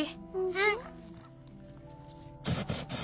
うん。